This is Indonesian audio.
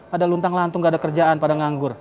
ada luntang lantung gak ada kerjaan pada nganggur